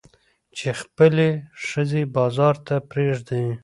چې خپلې ښځې بازار ته پرېږدي.